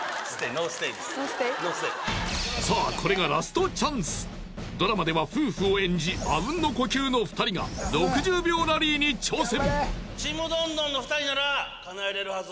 ノーステイさあこれがドラマでは夫婦を演じあうんの呼吸の２人が６０秒ラリーに挑戦！